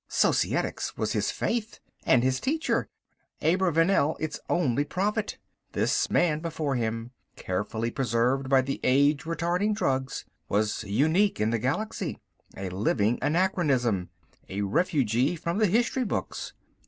Societics was his faith, and his teacher, Abravanel, its only prophet. This man before him, carefully preserved by the age retarding drugs, was unique in the galaxy. A living anachronism, a refugee from the history books.